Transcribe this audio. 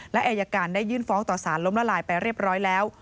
และอายการได้ยื่นฟ้องต่อสารล้มละลายไปเรียบร้อยแล้ว